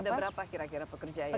ada berapa kira kira pekerja yang